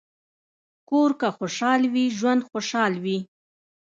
کور که خوشحال وي، ژوند خوشحال وي.